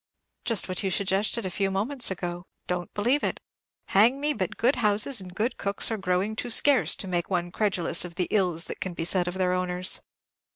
"Just what you suggested a few moments ago, don't believe it. Hang me, but good houses and good cooks are growing too scarce to make one credulous of the ills that can be said of their owners."